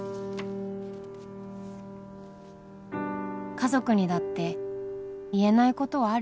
「家族にだって言えないことはあるよね」